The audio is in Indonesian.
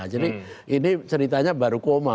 jadi ini ceritanya baru koma